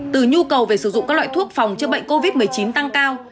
từ nhu cầu về sử dụng các loại thuốc phòng chữa bệnh covid một mươi chín tăng cao